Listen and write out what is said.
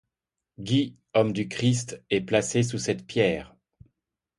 Gui, homme du Christ, est placé sous cette pierre.